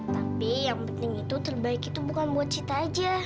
tapi yang penting itu terbaik itu bukan buat cita aja